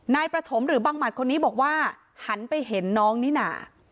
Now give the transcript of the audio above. นายประถมหรือบังหมัดคนนี้บอกว่าหันไปเห็นน้องนิน่า